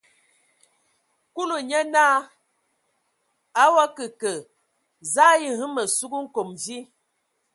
Kúlu nye naa: A o akǝ kə, za a ayi hm ma sug nkom vi?